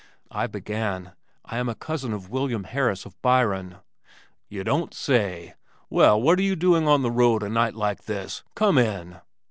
I began, "I am a cousin of William Harris of Byron " "You don't say! Well, what are you doing on the road a night like this? Come in!"